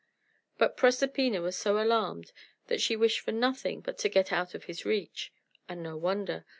But Proserpina was so alarmed that she wished for nothing but to get out of his reach. And no wonder.